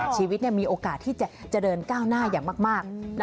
ชีวิตมีโอกาสที่จะเดินก้าวหน้าอย่างมาก